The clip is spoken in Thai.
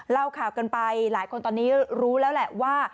เล่าข่าวกันไปหลายคนตอนนี้รู้แล้วแหละว่า